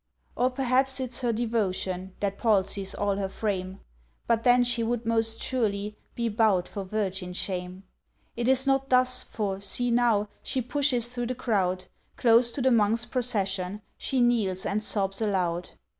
Or p'r'aps it's her devotion That palsies all her frame, But then she would most surely Be bow'd for virgin shame. It is not thus, for, see now, She pushes through the crowd, Close to the Monks' procession, She kneels and sobs aloud.